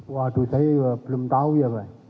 waduh saya belum tahu ya pak